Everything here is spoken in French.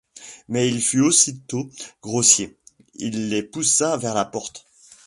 Mais il fut aussitôt grossier, il les poussa vers la porte.